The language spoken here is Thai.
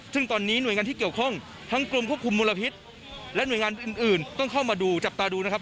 ซึ่งตอนนี้หน่วยงานที่เกี่ยวข้องทั้งกรมควบคุมมลพิษและหน่วยงานอื่นต้องเข้ามาดูจับตาดูนะครับ